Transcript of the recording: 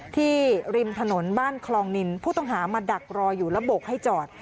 ริมถนนบ้านคลองนินผู้ต้องหามาดักรออยู่แล้วโบกให้จอด